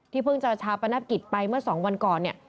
ที่เพิ่งจะชาวประนับกิจไปเมื่อ๒วันก่อน